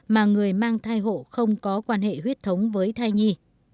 mà người mang thai hộ không có quan hệ huyết thống với thai nhi